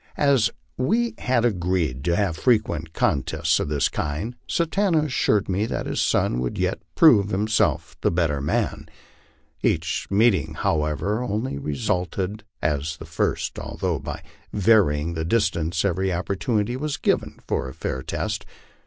As we had agreed to have frequent contests of this kind, Satanta assured me that his son would yet prove himself the better man. Each meeting, however, only resulted as the first, although by varying the distance every opportunity was given for a fair test.